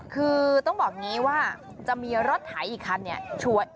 คือต้องบอกอย่างนี้ว่าจะมีรถไถอีกคันเนี่ย